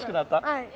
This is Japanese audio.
はい。